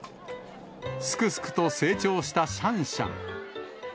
すくすくと成長したシャンシャン。